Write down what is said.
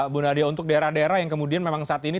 bu nadia untuk daerah daerah yang kemudian memang saat ini